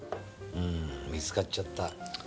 うん見つかっちゃった。